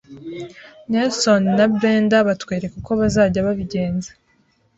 Nelson na Brendah batwereka uko bazajya babigenza